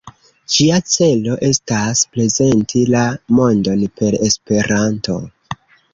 Ĝia celo estas "prezenti la mondon per Esperanto".